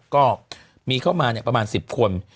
ก็มีเข้ามาประมาณ๑๐คน